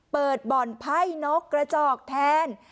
เปิดบ่อนไพ่นกกระจอกแทน